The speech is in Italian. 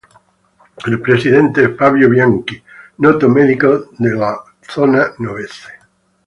Il presidente è Fabio Bianchi, noto medico della zona novese.